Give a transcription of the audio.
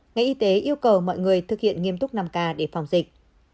ngành y tế yêu cầu mọi người thực hiện nghiêm túc năm k để phòng dịch